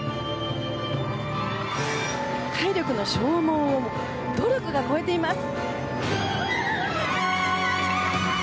体力の消耗を努力が超えています。